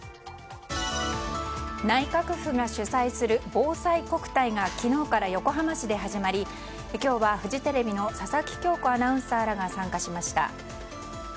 内閣府が主催するぼうさいこくたいが昨日から横浜市で始まり今日はフジテレビの佐々木恭子アナウンサーらが参加しました。